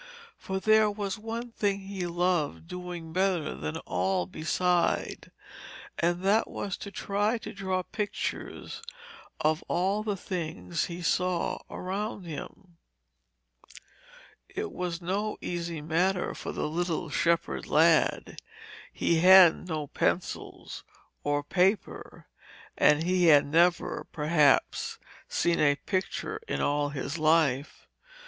For there was one thing he loved doing better than all beside, and that was to try to draw pictures of all the things he saw around him. It was no easy matter for the little shepherd lad. He had no pencils or paper, and he had never, perhaps, seen a picture in all his life.